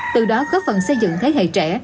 từ đó góp phần xây dựng thế hệ trẻ